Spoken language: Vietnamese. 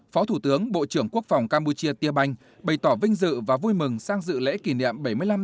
phó thủ tướng bộ trưởng quốc phòng campuchia tia banh bày tỏ vinh dự và vui mừng sang dự lễ kỷ niệm